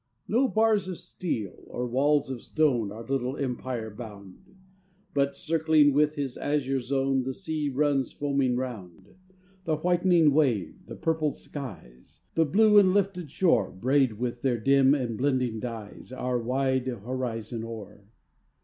No bars of steel or walls of stone Our little empire bound, But, circling with his azure zone, The sea runs foaming round; The whitening wave, the purpled skies, The blue and lifted shore, Braid with their dim and blending dyes Our wide horizon o'er.